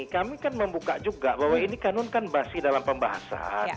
kami kan membuka juga bahwa ini kanun kan masih dalam pembahasan